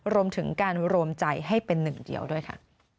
รวมถึงการรวมใจให้เป็นหนึ่งเดียวด้วยค่ะ